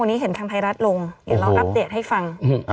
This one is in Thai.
วันนี้เห็นทางไทยรัฐลงเดี๋ยวเราอัปเดตให้ฟัง